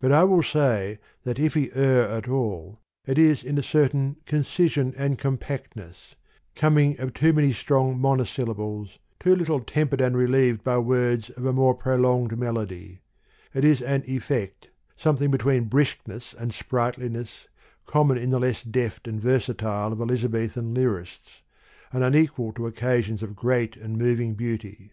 But I will say, that, if he err at all, it is in a certain concision and compactness, com ing of many strong monosyllables, too little tempered and relieved by words of a more prolonged melody : it is an effect, something between briskness and sprightliness, com mon in the less deft and versatile of Eliza bethan lyrists, and unequal to occasions of great and moving beauty.